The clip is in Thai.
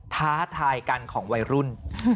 ท้าทายกันของวัยรุ่น